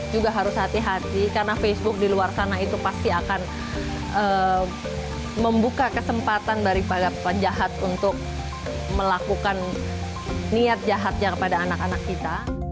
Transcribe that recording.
juga harus hati hati karena facebook di luar sana itu pasti akan membuka kesempatan daripada penjahat untuk melakukan niat jahatnya kepada anak anak kita